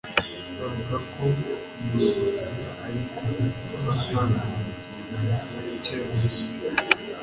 Bavuga ko Umuyobozi ari gufata icyemezo.